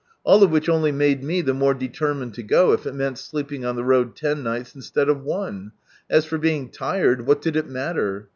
All of which only made me the mote determined to go, if it meant sleeping on the road ten nights, instead of one ; as for being tired, what did it matter